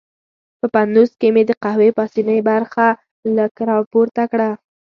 په پتنوس کې مې د قهوې پاسنۍ برخه را پورته کړل.